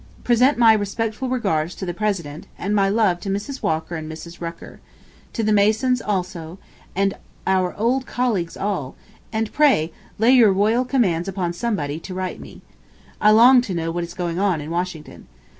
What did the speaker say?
Present my respectful regards to the President, and my love to Mrs. Walker and Miss Rucker. To the Masons also, and our old colleagues all, and pray lay your royal commands upon somebody to write me. I long to know what is going on in Washington.